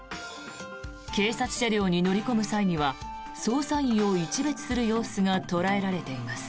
警察車両に乗り込む際には捜査員をいちべつする様子が捉えられています。